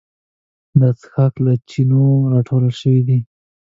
دا څښاک له چینو راټول شوی دی.